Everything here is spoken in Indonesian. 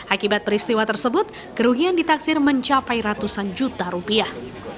akibat peristiwa tersebut kerugian ditaksir mencapai ratusan juta rupiah